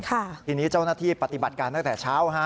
ทีนี้เจ้าหน้าที่ปฏิบัติการตั้งแต่เช้าฮะ